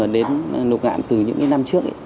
đến lục ngạn từ những năm trước